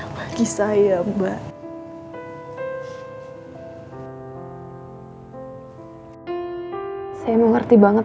nges selalu getar